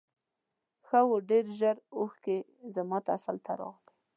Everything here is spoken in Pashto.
ښه و ډېر ژر اوښکې زما تسل ته راغلې.